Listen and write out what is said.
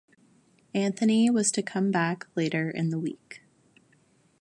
Anthony was to come back later in the week.